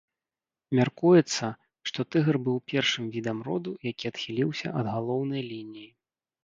Мяркуецца, што тыгр быў першым відам роду, які адхіліўся ад галоўнай лініі.